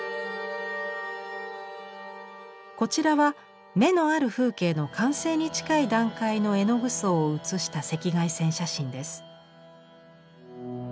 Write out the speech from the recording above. こちらは「眼のある風景」の完成に近い段階の絵の具層を写した赤外線写真です。